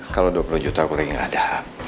kalau dua puluh juta aku lagi gak ada